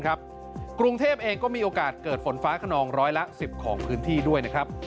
กรุงเทพเองก็มีโอกาสเกิดฝนฟ้าขนองร้อยละ๑๐ของพื้นที่ด้วยนะครับ